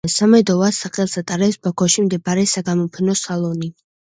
სამედოვას სახელს ატარებს ბაქოში მდებარე საგამოფენო სალონი.